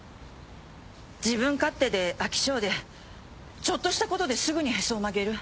自分勝手で飽き性でちょっとしたことですぐにへそを曲げる。